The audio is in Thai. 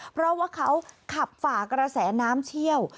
เพราะว่าเขาขับฝ่ากระแสน้ำเชี่ยว